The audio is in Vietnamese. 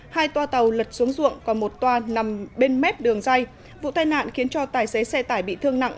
hai toa tàu lật xuống ruộng còn một toa nằm bên mép đường dây vụ tai nạn khiến cho tài xế xe tải bị thương nặng